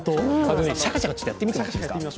シャカシャカやってみていいですか。